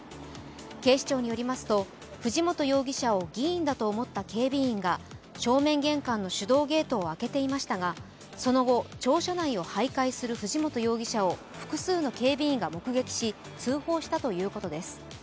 警視庁によりますと藤本容疑者を議員だと思った警備員が正面玄関の手動ゲートを開けていましたがその後、庁舎内をはいかいする藤本容疑者を複数の警備員が目撃し通報したということです。